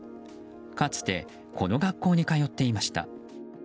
かつてこの学校に通っていました。